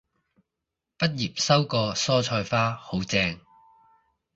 畢業收過蔬菜花，好正